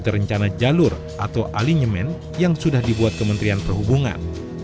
mengikuti rencana jalur atau alinyemen yang sudah dibuat kementerian perhubungan